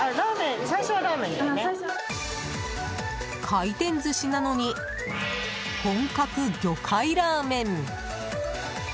回転寿司なのに本格魚介ラーメン！